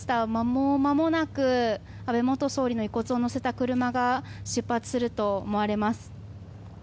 もうまもなく安倍元総理の遺骨を乗せた車が出発すると思われます。